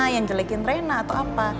yang jelekin rena atau apa